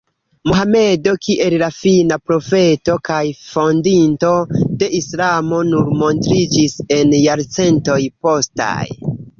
Mohamedo kiel la fina profeto kaj fondinto de islamo nur montriĝis en jarcentoj postaj.